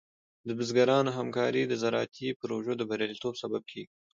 د بزګرانو همکاري د زراعتي پروژو د بریالیتوب سبب کېږي.